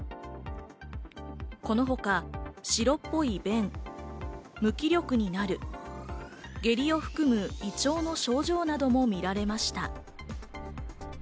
このほか、白っぽい便、無気力になる、下痢を含む胃腸の症状なども見られました。